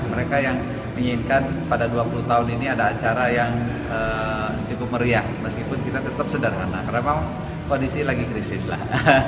mereka yang menginginkan pada dua puluh tahun ini ada acara yang cukup meriah meskipun kita tetap sederhana karena memang kondisi lagi krisis lah